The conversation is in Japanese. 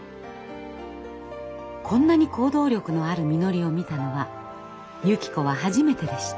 こんなに行動力のあるみのりを見たのはゆき子は初めてでした。